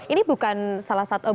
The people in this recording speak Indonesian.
ini bukan salah satu